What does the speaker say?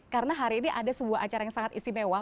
karena hari ini ada sebuah acara yang sangat istimewa